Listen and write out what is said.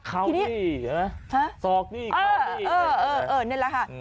เข้าที่ศอกที่เข้าที่นั่นแหละค่ะ